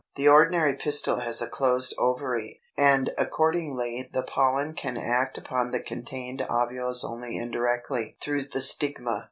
313. The ordinary pistil has a closed ovary, and accordingly the pollen can act upon the contained ovules only indirectly, through the stigma.